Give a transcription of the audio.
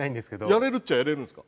やれるっちゃやれるんですか？